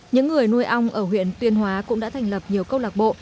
những người nuôi ong ở huyện tuyên hóa cũng đã thành lập nhiều câu lạc bộ